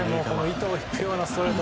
糸を引くようなストレート。